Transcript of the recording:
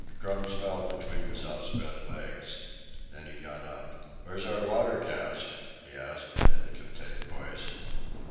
Crumbs fell between his outspread legs. Then he got up. "Where's our water cask?" he asked in a contained voice.